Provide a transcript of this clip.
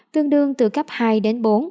tương đương từ cấp hai đến bốn